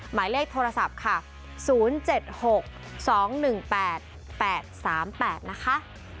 หมายเลขโทรศัพท์ค่ะศูนย์เจ็ดหกสองหนึ่งแปดแปดสามแปดนะคะ